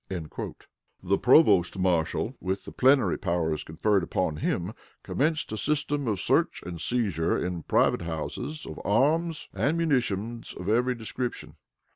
" The Provost Marshal, with the plenary powers conferred upon him, commenced a system of search and seizure, in private houses, of arms and munitions of every description.